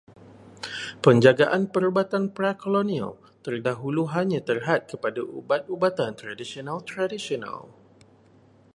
Penjagaan perubatan pra-kolonial terdahulu hanya terhad kepada ubat-ubatan tradisional tradisional.